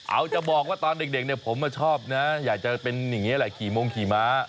เอาจะบอกว่าตอนเด็กเนี่ยผมชอบนะอยากจะเป็นอย่างนี้แหละขี่มงขี่ม้า